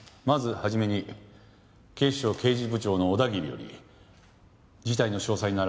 まず初めに警視庁刑事部長の小田切より事態の詳細